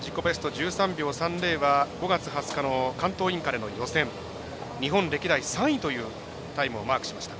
１３秒３０は５月２０日の関東インカレの日本歴代３位というタイムをマークしました。